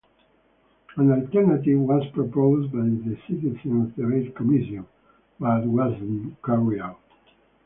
An alternative was proposed by the Citizens' Debate Commission, but was not carried out.